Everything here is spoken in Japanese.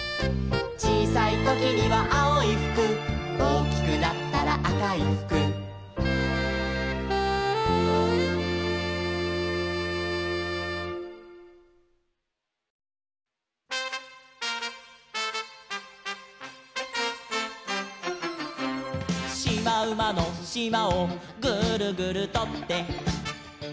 「ちいさいときにはあおいふく」「おおきくなったらあかいふく」「しまうまのしまをグルグルとって」